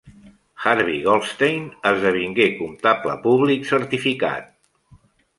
Harvey Goldstein esdevingué comptable públic certificat.